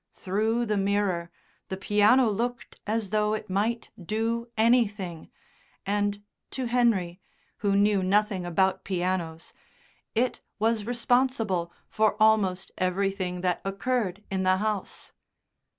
Through the mirror the piano looked as though it might do anything, and to Henry, who knew nothing about pianos, it was responsible for almost everything that occurred in the house.